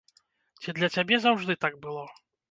Ці для цябе заўжды так было?